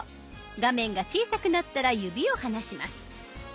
画面が小さくなったら指を離します。